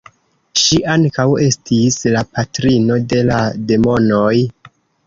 Ŝi ankaŭ estis la patrino de la demonoj.